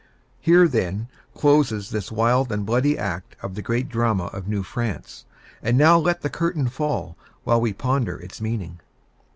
Here, then, closes this wild and bloody act of the great drama of New France; and now let the curtain fall, while we ponder its meaning.